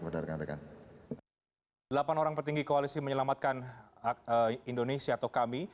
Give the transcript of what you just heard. delapan orang petinggi koalisi menyelamatkan indonesia atau kami